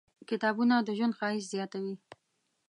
کتابونه د ژوند ښایست زیاتوي.